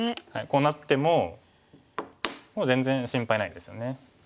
こうなってももう全然心配ないですよね。